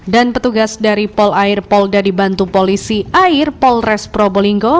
dan petugas dari pol air pol dadi bantu polisi air pol res probolinggo